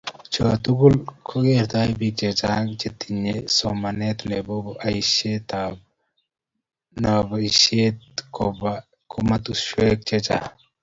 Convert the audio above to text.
choo tugul kogertoi biik chechang chetinye somanet nebo boishetab nobishet kobaa komoswek cheechen